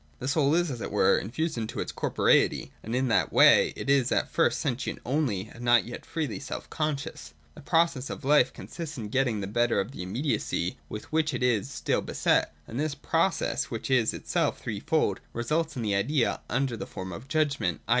The soul is, as it were, infused into its corporeity ; and in that way it is at first sentient only, and not yet freely self conscious. The process of life consists in getting the better of the immediacy with which it is still beset : and this pro cess, which is itself threefold, results in the idea under the form of judgment, i.